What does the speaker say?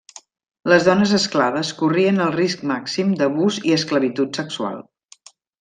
Les dones esclaves corrien el risc màxim d'abús i esclavitud sexual.